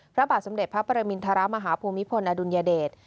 พระบาทสมเด็จพระปรมินทรมาฮภูมิพลอดุลยเดช